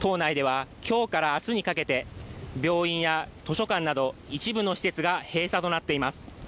島内では今日から明日にかけて病院や図書館など一部の施設が閉鎖となっています。